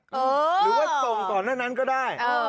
หรือว่าส่งก่อนหน้านั้นก็ได้